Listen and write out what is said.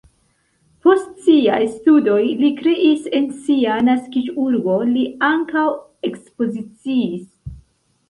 Post siaj studoj li kreis en sia naskiĝurbo, li ankaŭ ekspoziciis.